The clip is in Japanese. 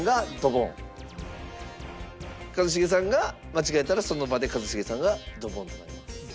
一茂さんが間違えたらその場で一茂さんがドボンとなります。